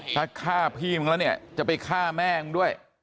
ถ้าฆ่าพี่มึงแล้วเนี่ยจะไปฆ่าแม่มึงด้วย